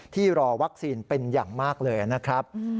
รอวัคซีนเป็นอย่างมากเลยนะครับ